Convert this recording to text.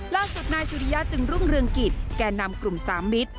ล่าสุดนายสุริยะจึงรุ่งเรืองกิจแก่นำกลุ่มสามมิตร